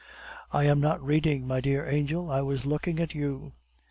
"I was not reading, my dear angel; I was looking at you."